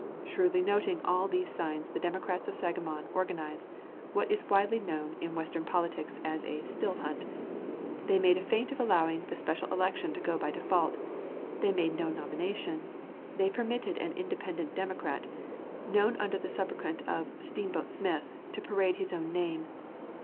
Shrewdly noting all these signs the Democrats of Sangamon organized what is known in Western politics as a "still hunt." They made a feint of allowing the special election to go by default. They made no nomination. They permitted an independent Democrat, known under the sobriquet of "Steamboat Smith," to parade his own name.